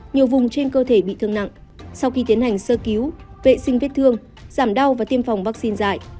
nhiều vùng trên cơ thể bị thương nặng sau khi tiến hành sơ cứu vệ sinh vết thương giảm đau và tiêm phòng vaccine dạy